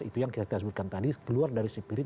itu yang kita sebutkan tadi keluar dari spirit